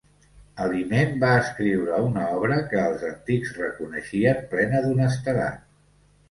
Aliment va escriure una obra que els antics reconeixien plena d'honestedat.